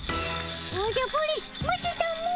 おじゃプリン待ってたも。